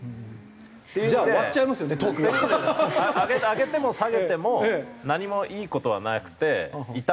上げても下げても何もいい事はなくて。